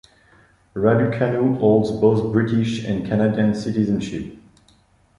Raducanu holds both British and Canadian citizenship.